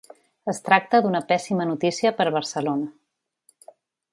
Es tracta d’una pèssima notícia per a Barcelona.